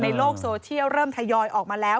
ในโลกโซเชียลเริ่มทยอยออกมาแล้ว